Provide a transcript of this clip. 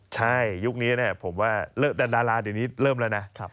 ใช่ยุคนี้ผมว่าแต่ดาราเดี๋ยวนี้เริ่มแล้วนะ